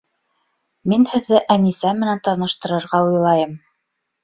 Мин һеҙҙе Әнисә менән таныштырырға уйлайым